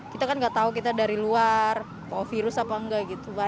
kita kan nggak tahu kita dari luar virus apa enggak gitu